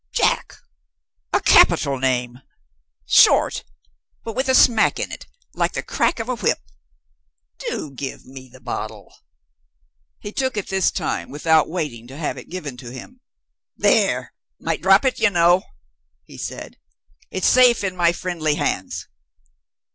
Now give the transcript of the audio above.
Jack? A capital name! Short, with a smack in it like the crack of a whip. Do give me the bottle!" He took it this time, without waiting to have it given to him. "There! might drop it, you know," he said. "It's safe in my friendly hands.